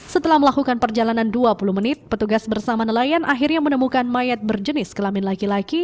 setelah melakukan perjalanan dua puluh menit petugas bersama nelayan akhirnya menemukan mayat berjenis kelamin laki laki